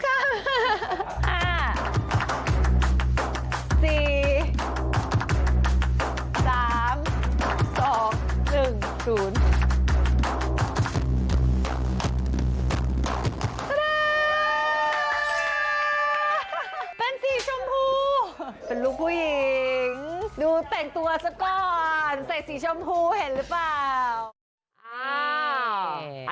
ดูแต่งตัวสักก่อนใส่สีชมพูเห็นหรือเปล่า